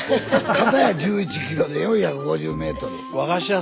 かたや１１ｋｍで４５０ｍ。